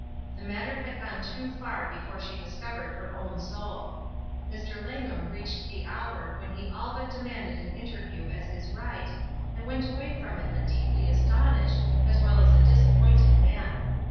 The matter had gone too far before she discovered her own soul. Mr. Langham reached the hour when he all but demanded an interview as his right, and went away from it a deeply astonished as well as a disappointed man.